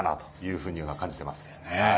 そう感じています。